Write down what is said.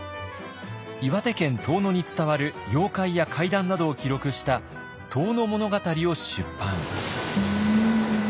岩手県遠野に伝わる妖怪や怪談などを記録した「遠野物語」を出版。